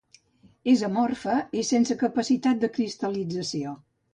És amorfa i sense capacitat de cristal·lització.